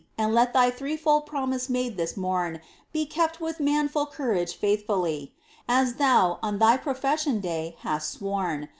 And let thy threefold promise made this morn Be kept with manful courage faithfully, As thou on thy profession day hast sworn.